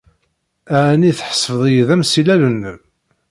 Ɛni tḥesbed-iyi d amsillel-nnem?